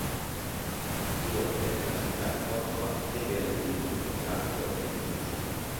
Inoltre la città di Cordova deve a lui importanti opere edilizie.